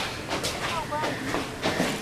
告官无益也。